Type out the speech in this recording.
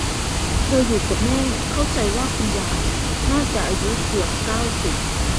เธออยู่กับแม่เข้าใจว่าคุณยายน่าจะอานุเกือบ เก้าสิบ